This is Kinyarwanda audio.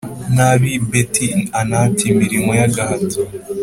n’ab’i Beti-Anati imirimo y’agahato.